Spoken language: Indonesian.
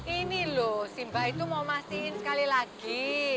ini loh si mbak itu mau mastiin sekali lagi